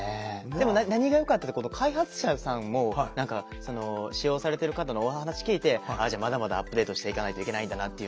でも何がよかったってこの開発者さんも使用されている方のお話聞いてまだまだアップデートしていかないといけないんだなっていうのを。